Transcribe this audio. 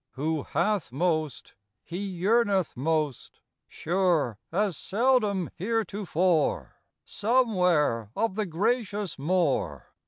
Who hath most, he yearneth most, Sure, as seldom heretofore, Somewhere of the gracious more.